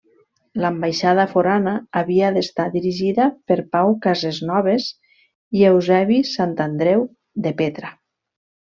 L’ambaixada forana havia d’estar dirigida per Pau Casesnoves i Eusebi Santandreu, de Petra.